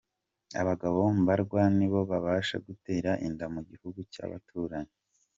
Abagabo mbarwa nibo babasha gutera inda Mugihugu Cyabaturanyi